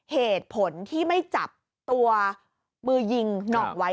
เหตุผลที่ไม่จับตัวมือยิงหน่องไว้